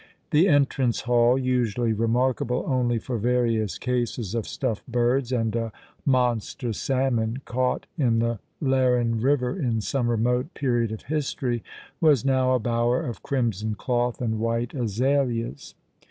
The entrance hall, usually remarkable only for various cases of staffed birds, and a monster salmon — caught in the Lcrrin river in. some remote period of history — was now a bower of crimson cloth and white azaleas.